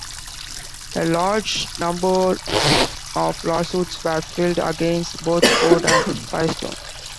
A large number of lawsuits were filed against both Ford and Firestone.